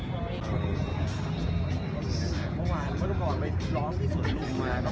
แม่กับผู้วิทยาลัย